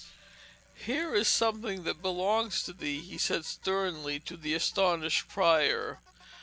'Here is something that belongs to thee,' he said sternly to the astonished prior.